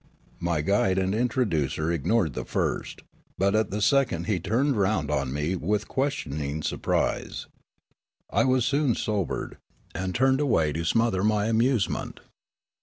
My guide and intro ducer ignored the first ; but at the second he .turned round on me with questioning surprise. I was soon sobered, and turned away to smother my amusement.